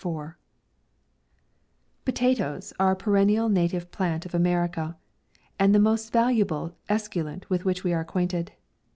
10i POTATOES are a perennial native plant of America, and the most valuable esculent with which we are acquainted.